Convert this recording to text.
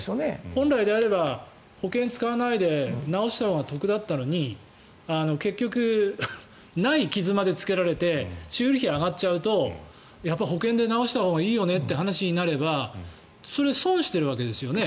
本来であれば保険を使わないで直したほうが得だったのに結局、ない傷までつけられて修理費が上がっちゃうと保険で直したほうがいいよねという話になればそれは損しているわけですよね。